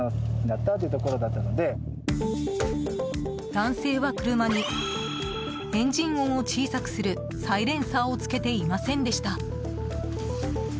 男性は車にエンジン音を小さくするサイレンサーをつけていませんでした。